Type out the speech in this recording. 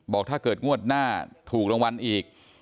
บอกถ้าเกิดงวดหน้าถูกรางวัลอีก